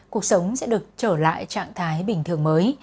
cuộc sống sẽ được trở lại trạng thái bình thường mới